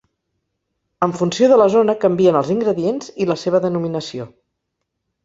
En funció de la zona canvien els ingredients i la seva denominació.